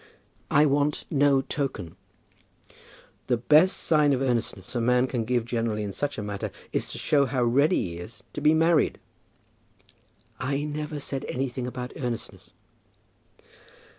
"I want no token." "The best sign of earnestness a man can give generally in such a matter, is to show how ready he is to be married." "I never said anything about earnestness."